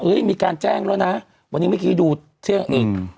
มีการแจ้งแล้วนะวันนี้เมื่อกี้ดูเชื่ออีก